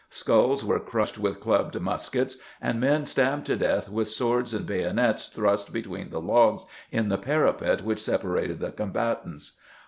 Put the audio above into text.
Skulls were crushed with clubbed muskets, and men stabbed to death with swords and bayonets thrust between the logs in the parapet which separated the combatants.